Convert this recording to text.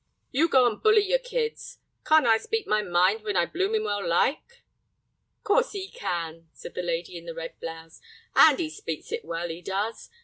"You go and bully your kids. Can't I speak my mind when I bloomin' well like?" "Course 'e can," said the lady in the red blouse; "and 'e speaks it well, 'e does.